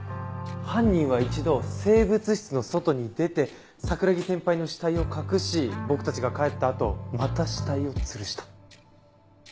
犯人は一度生物室の外に出て桜樹先輩の死体を隠し僕たちが帰った後また死体を吊るした。